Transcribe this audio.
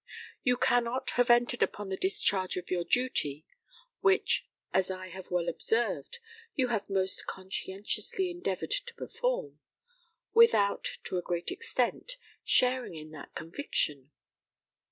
You cannot have entered upon the discharge of your duty which, as I have well observed, you have most conscientiously endeavoured to perform without, to a great extent, sharing in that conviction.